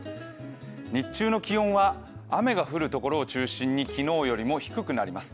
日中の気温は、雨が降るところを中心に昨日よりも低くなります。